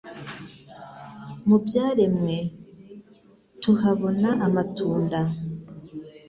Mu byaremwe tuhabona amatunda,